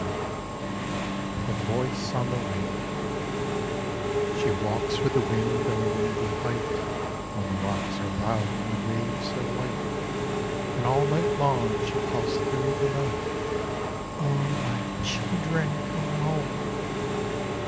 _ A VOICE ON THE WIND I She walks with the wind on the windy height When the rocks are loud and the waves are white, And all night long she calls through the night, "O my children, come home!"